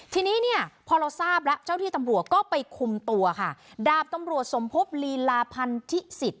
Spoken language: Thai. ทีนี้เนี่ยพอเราทราบแล้วเจ้าที่ตำรวจก็ไปคุมตัวค่ะดาบตำรวจสมภพลีลาพันธิสิทธิ